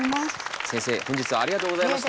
先生本日はありがとうございました。